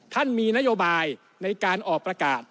ท่านมีนโยบายในการออกประกาศ